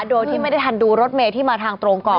โดยที่ไม่ได้ทันดูรถเมย์ที่มาทางตรงก่อน